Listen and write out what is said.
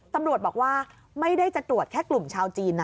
ตำรวจบอกว่าไม่ได้จะตรวจแค่กลุ่มชาวจีนนะ